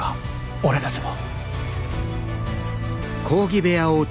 俺たちも。